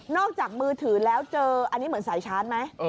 จากมือถือแล้วเจออันนี้เหมือนสายชาร์จไหม